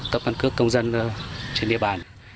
cấp căn cước công dân trên địa bàn